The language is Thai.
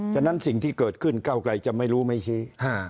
ฉะนั้นสิ่งที่เกิดขึ้นเก้าไกลจะไม่รู้ไม่ชี้